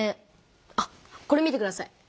あっこれ見てください。